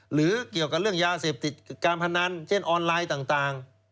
หรือเกี่ยวกับเรื่องยาเสพติดการพนันเช่นออนไลน์ต่าง